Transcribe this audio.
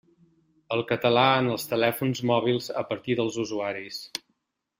El català en els telèfons mòbils a partir dels usuaris.